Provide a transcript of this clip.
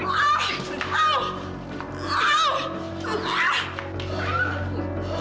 kayaknya lu yang kurang ajar